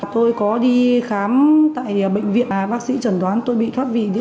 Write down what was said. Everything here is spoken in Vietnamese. tôi có đi khám tại bệnh viện bác sĩ trần đoán tôi bị thoát vị